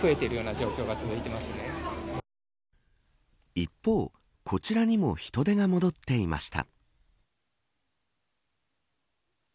一方、こちらにも人出が戻っていました。